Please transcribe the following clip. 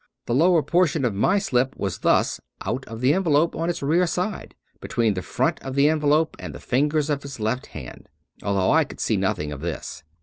The lower portion of my slip was thus out of the envelope on its rear side, between the front of the envelope and the fingers of his left hand ; although I could see nothing of this.